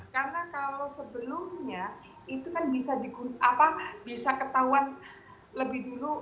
karena kalau sebelumnya itu kan bisa ketahuan lebih dulu